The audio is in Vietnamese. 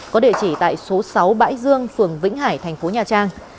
có địa chỉ tại số sáu bãi dương phường vĩnh hải tp nha trang